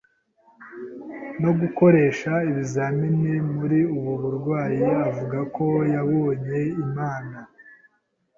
no gukoresha ibizamini, muri ubu burwayi avuga ko yabonye Imana